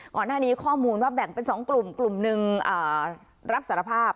ก่อนหน้านี้ข้อมูลว่าแบ่งเป็น๒กลุ่มกลุ่มหนึ่งรับสารภาพ